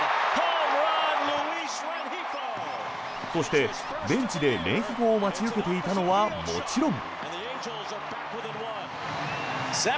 そして、ベンチでレンヒーフォを待ち受けていたのはもちろん。